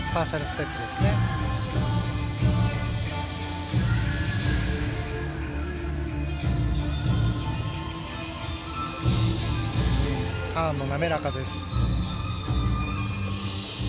ターンも滑らかです。